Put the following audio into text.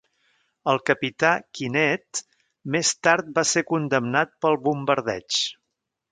El capità Kynette més tard va ser condemnat pel bombardeig.